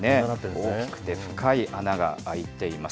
大きくて深い穴が開いています。